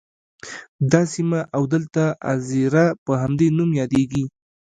دا سیمه او دلته اَذيره په همدې نوم یادیږي.